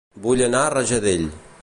Vull anar a Rajadell